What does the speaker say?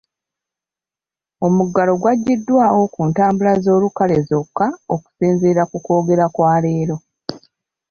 Omuggalo gwagiddwawo ku ntambula z'olukale zokka okusinziira ku kwogera kwa leero.